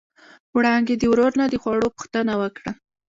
وړانګې د ورور د نه خوړو پوښتنه وکړه.